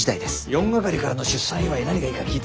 ４係からの出産祝何がいいか聞いて。